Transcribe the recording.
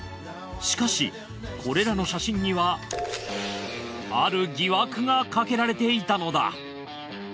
しかしこれらの写真にはある疑惑がかけられていたのだ。